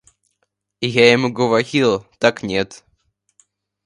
Я ему говорил, так нет.